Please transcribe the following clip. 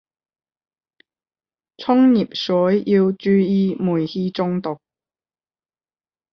沖熱水要注意煤氣中毒